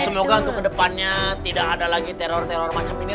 semoga untuk kedepannya tidak ada lagi teror teror macam ini